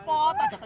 itu saja lah lah